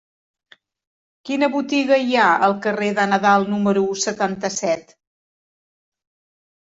Quina botiga hi ha al carrer de Nadal número setanta-set?